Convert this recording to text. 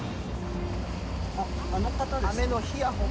あっ、あの方ですね。